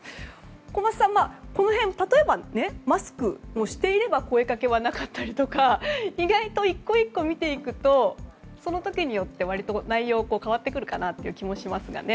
小松さん、この辺例えばマスクをしていれば声かけはなかったりとか意外と１個１個見ていくとその時によって割と内容が変わってくるかなという気もしますがね。